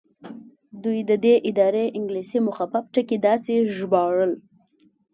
دوی د دې ادارې انګلیسي مخفف ټکي داسې ژباړل.